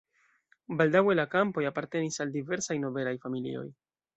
Baldaŭe la kampoj apartenis al diversaj nobelaj familioj.